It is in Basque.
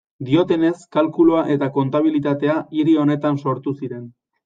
Diotenez, kalkulua eta kontabilitatea hiri honetan sortu ziren.